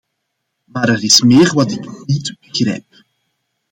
Maar er is meer wat ik niet begrijp.